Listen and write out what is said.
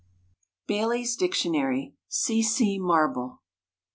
BAILEY'S DICTIONARY. C. C. MARBLE.